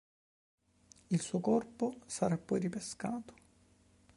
Il suo corpo sarà poi ripescato.